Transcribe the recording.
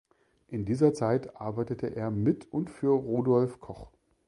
In dieser Zeit arbeitete er mit und für Rudolf Koch.